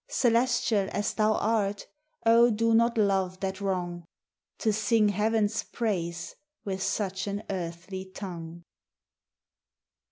Celestial as thou art, O do not love that wrong, To sing heaven's praise with such an earthly tongue.